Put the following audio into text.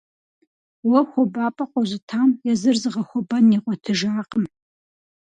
Уэ хуабапӀэ къозытам езыр зыгъэхуэбэн игъуэтыжакъым.